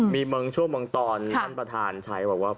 มีบางช่วงบางตอนท่านประธานใช้บอกว่า